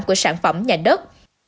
của sản phẩm nhà đất